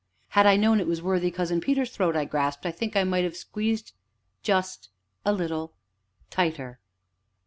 Had I known it was worthy Cousin Peter's throat I grasped, I think I might have squeezed it just a little tighter."